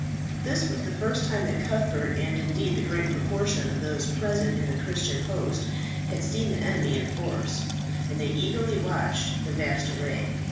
This was the first time that Cuthbert, and indeed the great proportion of those present in the Christian host, had seen the enemy in force, and they eagerly watched the vast array.